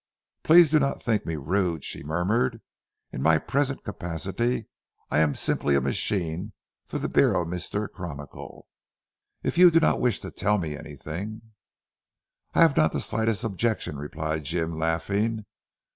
"Please do not think me rude," she murmured, "in my present capacity I am simply a machine for the Beormister Chronicle. If you do not wish to tell me anything " "I have not the slightest objection," replied Jim laughing.